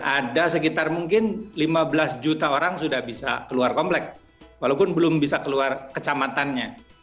ada sekitar mungkin lima belas juta orang sudah bisa keluar komplek walaupun belum bisa keluar kecamatannya